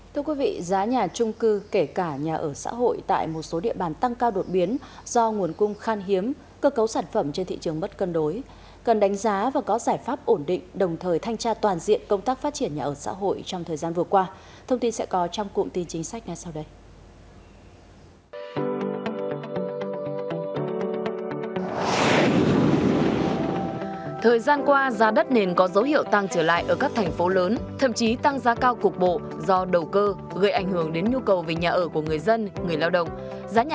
thưa quý vị giá nhà trung cư kể cả nhà ở xã hội tại một số địa bàn tăng cao đột biến do nguồn cung khan hiếm cơ cấu sản phẩm trên thị trường mất cân đối cần đánh giá và có giải pháp ổn định đồng thời thanh tra toàn diện công tác phát triển nhà ở xã hội trong thời gian vừa qua thông tin sẽ có trong cụm tin chính sách ngay sau đây